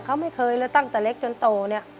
เขาไม่เคยแล้วตั้งแต่เล็กจนโต